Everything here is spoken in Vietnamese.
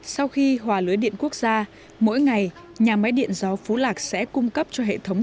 sau khi hòa lưới điện quốc gia mỗi ngày nhà máy điện gió phú lạc sẽ cung cấp cho hệ thống